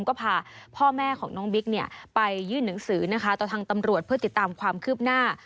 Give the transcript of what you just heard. ก็พาพ่อแม่ของน้องบิ๊กเนี่ยไปยื่นหนังสือนะคะต่อทางตำรวจเพื่อติดตามความคืบหน้า